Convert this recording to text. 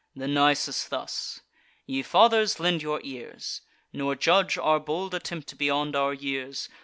Then Nisus thus: "Ye fathers, lend your ears; Nor judge our bold attempt beyond our years.